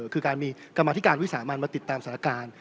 คือการมีกรรมธิการวิสามันมาติดตามสถานการณ์